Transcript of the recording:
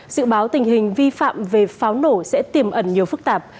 dự báo tình hình vi phạm về pháo nổ sẽ tiềm ẩn nhiều phức tạp